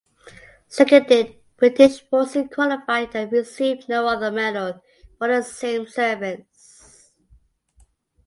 Seconded British forces qualified if they received no other medal for the same service.